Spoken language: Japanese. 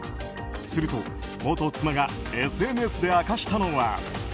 すると、元妻がＳＮＳで明かしたのは。